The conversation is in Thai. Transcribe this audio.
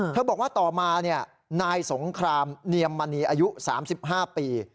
บอกว่าต่อมานายสงครามเนียมมณีอายุ๓๕ปี